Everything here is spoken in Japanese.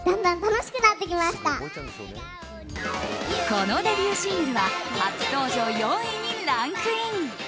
このデビューシングルは初登場４位にランクイン。